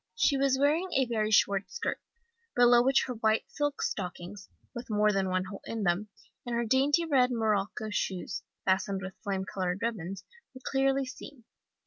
"She was wearing a very short skirt, below which her white silk stockings with more than one hole in them and her dainty red morocco shoes, fastened with flame coloured ribbons, were clearly seen.